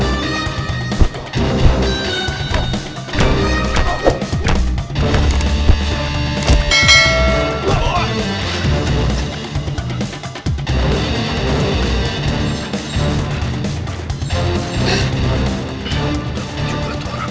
ini buat orang